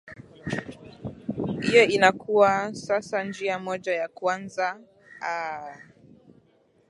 hiyo inakuwa sasa njia moja ya kuanza aaa